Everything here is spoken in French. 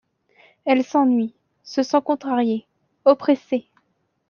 Elle s’ennuie, se sent contrariée, oppressée.